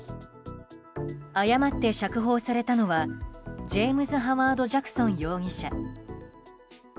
誤って釈放されたのはジェームズ・ハワード・ジャクソン容疑者。